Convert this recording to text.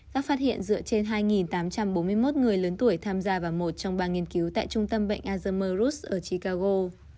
các phát hiện dựa trên hai tám trăm bốn mươi một người lớn tuổi tham gia vào một trong ba nghiên cứu tại trung tâm bệnh azermer rus ở chicago